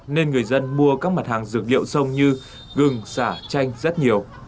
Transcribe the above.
nên người dân mua các mặt hàng dược liệu sông như gừng xả chanh rất nhiều